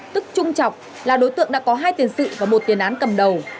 trung chọc là đối tượng đã có hai tiền sự và một tiền án cầm đầu